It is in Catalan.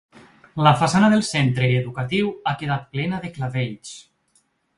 La façana del centre educatiu ha quedat plena de clavells.